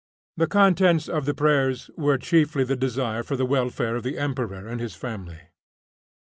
The contents of the prayers were chiefly the desire for the welfare of the Emperor and his family.